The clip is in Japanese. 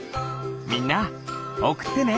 みんなおくってね！